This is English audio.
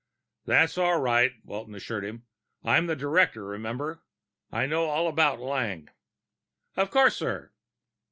"That's all right," Walton assured him. "I'm the director, remember? I know all about Lang." "Of course, sir."